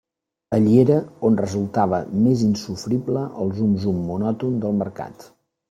Allí era on resultava més insofrible el zum-zum monòton del Mercat.